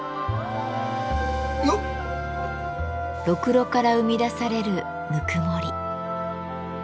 ろくろから生み出されるぬくもり。